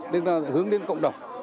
tức là hướng đến cộng đồng